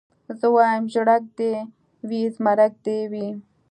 زه وايم ژړک دي وي زمرک دي وي